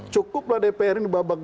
cukuplah dpr ini babak